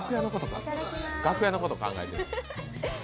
楽屋のこと考えて。